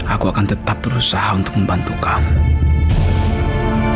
aku akan tetap berusaha untuk membantu kamu